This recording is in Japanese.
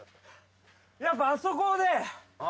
やっぱあそこで。